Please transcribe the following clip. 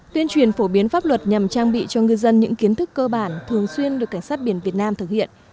tuyên truyền phổ biến pháp luật nhằm trang bị cho ngư dân những kiến thức cơ bản thường xuyên được cảnh sát biển việt nam thực hiện